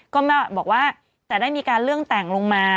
ก็บอกว่าแต่ได้มีการเรื่องแต่งลงมา